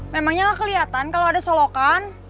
memangnya gak keliatan kalau ada solokan